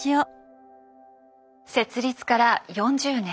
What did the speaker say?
設立から４０年。